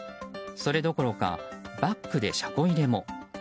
それどころかバックで車庫入れも。